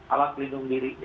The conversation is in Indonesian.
alat pelindung diri